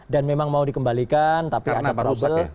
dan memang mau dikembalikan tapi ada trouble